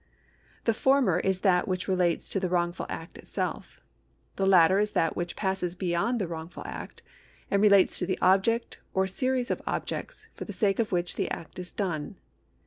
The former is that which relates to the wrongful act itself ; the latter is that which passes beyond the wrongful act, and relates to the object or series of objects for the sake of which the act is done.